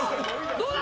どうだ？